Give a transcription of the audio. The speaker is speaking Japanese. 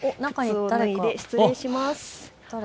失礼します。